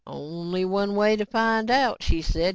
"Only one way to find out," she said.